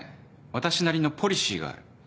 私なりのポリシーがある。